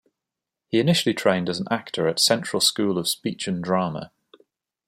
He initially trained as an actor at Central School of Speech and Drama.